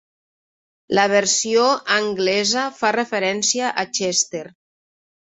La versió anglesa fa referència a Chester.